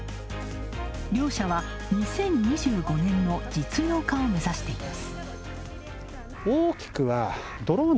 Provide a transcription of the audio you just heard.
両社は２０２５年の実用化を目指しています。